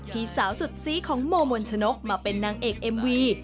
พี่สาวสุดซีของโมมนชนกมาเป็นนางเอกเอ็มวี